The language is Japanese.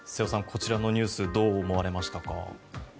こちらのニュースどう思われましたか？